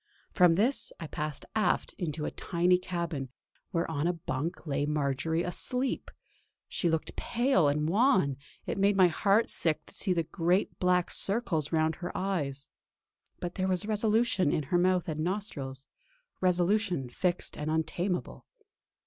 From this I passed aft into a tiny cabin, where on a bunk lay Marjory asleep. She looked pale and wan; it made my heart sick to see the great black circles round her eyes. But there was resolution in her mouth and nostrils; resolution fixed and untameable.